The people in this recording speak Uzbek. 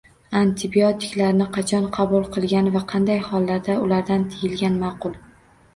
Antibiotiklarni qachon qabul qilgan va qanday hollarda ulardan tiyilgan ma’qul?